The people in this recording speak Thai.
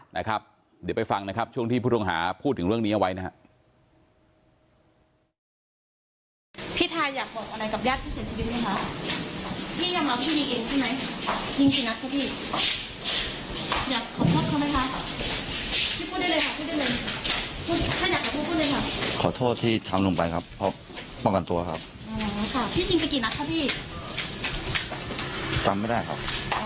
นะครับเดี๋ยวไปฟังนะครับช่วงที่ผู้ต้องหาพูดถึงเรื่องนี้เอาไว้นะครับ